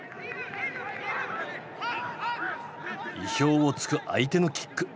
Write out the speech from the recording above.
意表をつく相手のキック。